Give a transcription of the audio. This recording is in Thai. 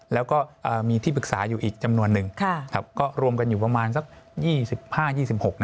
แล้วก็มีที่ปรึกษาอยู่อีกจำนวนนึงก็รวมกันอยู่ประมาณสัก๒๕๒๖